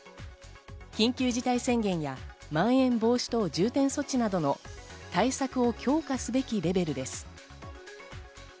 緊急事態宣言やまん延防止等重点措置などの対策を強化すべきレベルです。